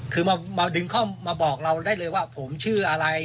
คือมาดึงเข้ามาบอกเราได้เลยว่าผมชื่ออะไร